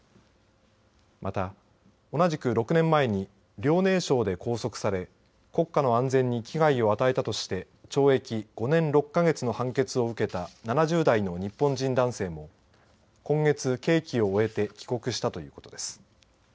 また、同じく６年前に遼寧省で拘束され国家の安全に危害を与えたとして懲役５年６か月の判決を受けた７０代の日本人男性も今月、刑期を終えて帰国したということです。